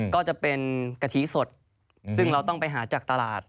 ก็จะเป็นกะทิสดซึ่งเราต้องไปหาจากตลาด